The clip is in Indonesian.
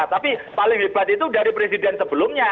tapi paling hebat itu dari presiden sebelumnya